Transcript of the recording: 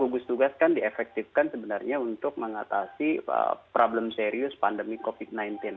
gugus tugas kan diefektifkan sebenarnya untuk mengatasi problem serius pandemi covid sembilan belas